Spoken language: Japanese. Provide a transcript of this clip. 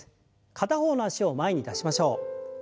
片方の脚を前に出しましょう。